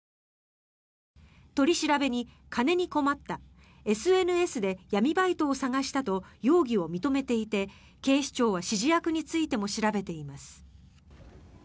取り調べに、金に困ったＳＮＳで闇バイトを探したと容疑を認めていて警視庁は指示役についても調べています。